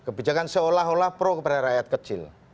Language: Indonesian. kebijakan seolah olah pro kepada rakyat kecil